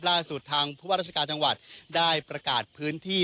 ล่าสุดทางผู้ว่าราชการจังหวัดได้ประกาศพื้นที่